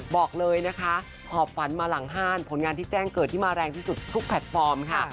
บอกเลยนะคะขอบฝันมาหลังห้านผลงานที่แจ้งเกิดที่มาแรงที่สุดทุกแพลตฟอร์มค่ะ